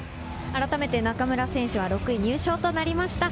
改めて中村選手は６位入賞となりました。